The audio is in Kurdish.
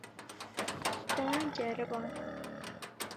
Te ceriband.